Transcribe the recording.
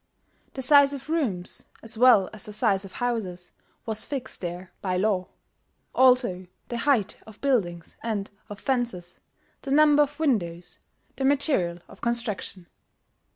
The size of rooms, as well as the size of houses, was fixed there by law, also the height of buildings and of fences, the number of windows, the material of construction....